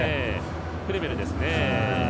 クレメルですね。